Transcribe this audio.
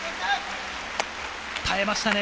耐えましたね。